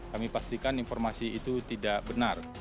kami pastikan informasi itu tidak benar